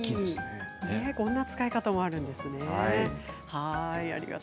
こんな使い方もあるんですね。